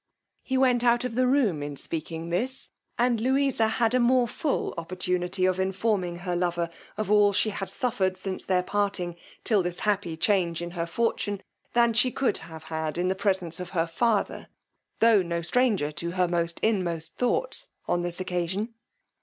He went out of the room in speaking this, and Louisa had a more full opportunity of informing her lover of all she had suffered since their parting, till this happy change in her fortune, than she could have had in the presence of her father, tho' no stranger to her most inmost thoughts on this occasion.